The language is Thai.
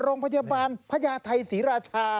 โรงพยาบาลพญาไทยศรีราชา